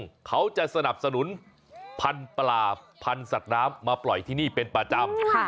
ซึ่งเขาจะสนับสนุนพันธุ์ปลาพันธุ์สัตว์น้ำมาปล่อยที่นี่เป็นประจำ